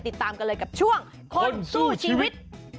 ติดตามกันเลยกับช่วงคนสู้ชีวิต